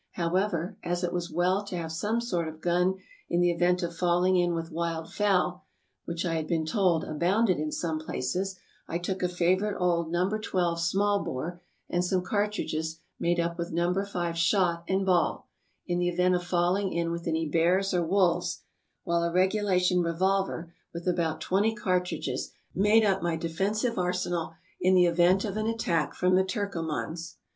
However, as it was well to have some sort of gun in the event of falling in with wild fowl, which I had been told abounded in some places, I 296 TRAVELERS AND EXPLORERS took a favorite old No. 12 small bore, and some cartridges made up with No. 5 shot and ball, in the event of falling in with any bears or wolves, while a regulation revolver, with about twenty cartridges, made up my defensive arsenal in the event of an attack from the Turkomans.